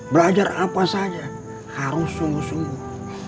belajar apa saja harus sungguh sungguh